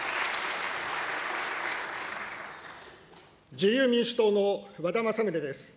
自由民主党の和田政宗です。